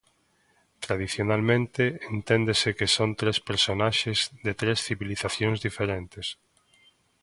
Tradicionalmente enténdese que son tres personaxes de tres civilizacións diferentes.